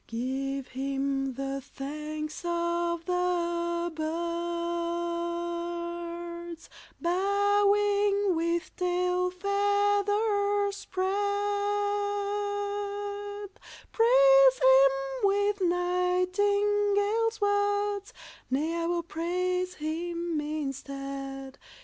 Give him the Thanks of the Birds, Bowing with tail feathers spread! Praise him with nightingale words Nay, I will praise him instead.